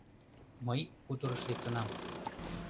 — Мый хуторыш лектынам.